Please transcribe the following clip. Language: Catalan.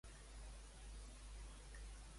D'on provindrien els noms Cynric, Cerdic i Ceawlin?